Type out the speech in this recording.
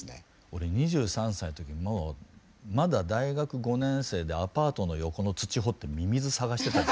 俺２３歳の時まだ大学５年生でアパートの横の土掘ってミミズ探してた。